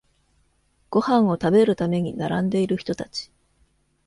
ご飯を食べるために並んでいる人たち